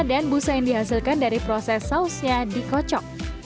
daging ikan salmon dihasilkan dari proses sausnya dikocok